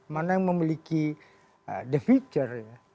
mana yang memiliki defijur ya